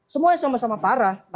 semuanya sama sama parah